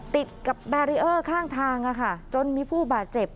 ติดกับแบรีเออร์ข้างทางจนมีผู้บาดเจ็บ